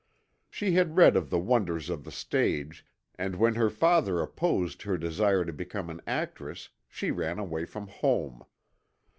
She had read of the wonders of the stage and when her father opposed her desire to become an actress she ran away from home.